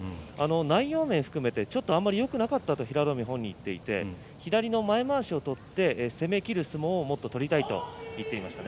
内容面も含めてあんまりちょっとよくなかったと平戸海は言っていて左の前まわしを取って攻め切る相撲をもっと取りたいと言っていました。